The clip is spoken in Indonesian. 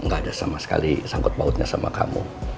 gak ada sama sekali sangkut pautnya sama kamu